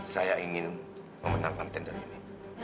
saya ingin memenangkan tender ini